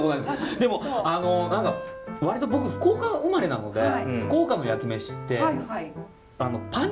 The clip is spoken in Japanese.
でも何か割と僕福岡生まれなので福岡の焼き飯ってパンチがあるんですよ！